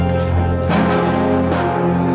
ndra kamu udah nangis